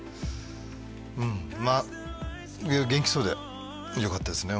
うんまあ元気そうでよかったですね